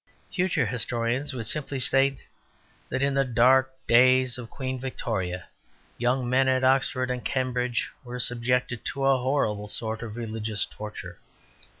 Future historians would simply state that in the dark days of Queen Victoria young men at Oxford and Cambridge were subjected to a horrible sort of religious torture.